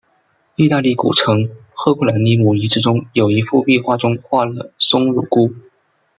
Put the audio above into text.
意大利古城赫库兰尼姆遗址中有一幅壁画中画了松乳菇。